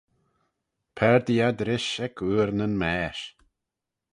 Paardee ad rish ec oor nyn maaish.